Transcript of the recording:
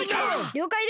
りょうかいです。